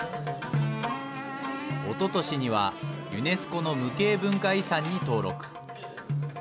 おととしにはユネスコの無形文化遺産に登録。